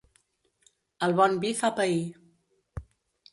El bon vi fa pair.